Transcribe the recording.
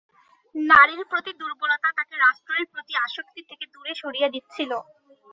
নারীর প্রতি দুর্বলতা তাঁকে রাষ্ট্রের প্রতি আসক্তি থেকে দূরে সরিয়ে দিচ্ছিল।